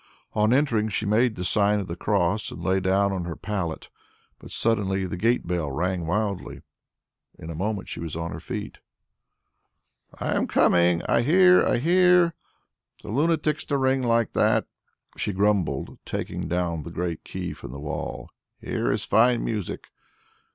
On entering she made the sign of the cross and lay down on her pallet, but suddenly the gate bell rang wildly. In a moment she was on her feet. "I am coming! I hear! I hear! The lunatics to ring like that!" she grumbled, taking down the great key from the wall; "here is fine music."